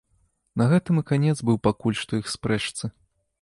На гэтым і канец быў пакуль што іх спрэчцы.